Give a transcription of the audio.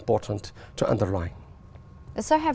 trong tương lai không